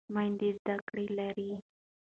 میندې زده کړه لري.